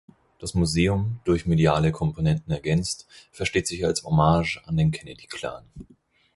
Das Museum, durch mediale Komponenten ergänzt, versteht sich als Hommage an den Kennedy-Clan.